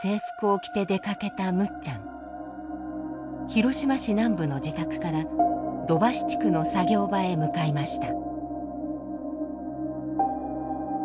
広島市南部の自宅から土橋地区の作業場へ向かいました。